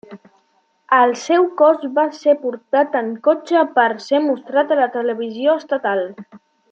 El seu cos va ser portat en cotxe per ser mostrat a la televisió estatal.